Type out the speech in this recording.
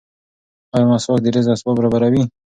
ایا مسواک د رزق اسباب برابروي؟